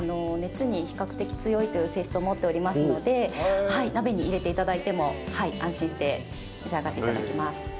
熱に比較的強いという性質を持っておりますので鍋に入れていただいても安心して召し上がっていただけます。